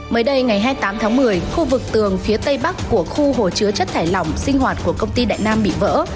mới đây ngày hai mươi tám tháng một mươi khu vực tường phía tây bắc của khu hồ chứa chất thải lỏng sinh hoạt của công ty đại nam bị vỡ